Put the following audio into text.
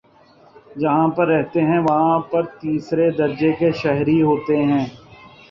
جہاں پر رہتے ہیں وہاں پر تیسرے درجے کے شہری ہوتے ہیں